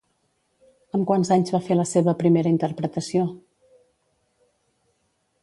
Amb quants anys va fer la seva primera interpretació?